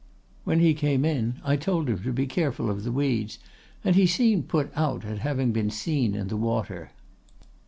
When he came in, I told him to be careful of the weeds, and he seemed put out at having been seen in the water.